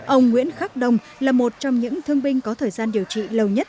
ông nguyễn khắc đông là một trong những thương binh có thời gian điều trị lâu nhất